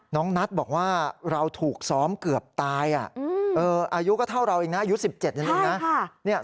น้องนัทบอกว่าเราถูกซ้อมเกือบตายอายุก็เท่าเราเองนะอายุ๑๗นะเองนะ